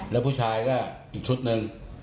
แล้วผู้ชายก็อีกชุดหนึ่ง